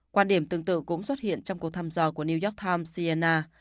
quan điểm tương tự cũng xuất hiện trong cuộc thăm dò của new york times ciana